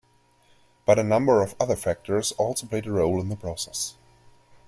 But a number of other factors also play a role in the process.